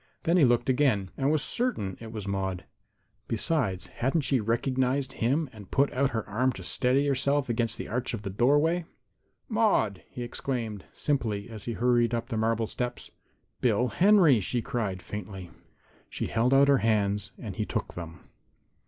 Then he looked again and was certain it was Maude. Besides, hadn't she recognized him and put out her arm to steady herself against the arch of the doorway? "Maude!" he exclaimed, simply, as he hurried up the marble steps. "Bill Henry!" she cried, faintly. She held out her hands and he took them.